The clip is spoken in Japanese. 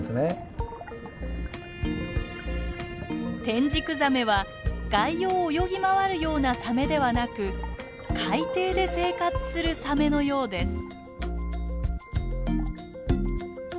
テンジクザメは外洋を泳ぎ回るようなサメではなく海底で生活するサメのようです。